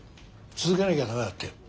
続けなきゃ駄目だって。